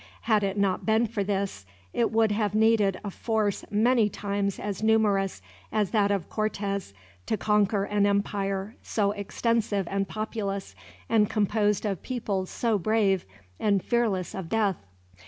Had it not been for this, it would have needed a force many times as numerous as that of Cortez to conquer an empire so extensive and populous, and composed of peoples so brave and fearless of death.